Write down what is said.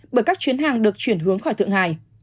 bởi các chuyến hàng được chuyển hướng khỏi thượng hải